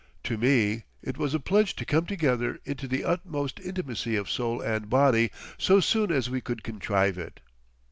To me it was a pledge to come together into the utmost intimacy of soul and body so soon as we could contrive it....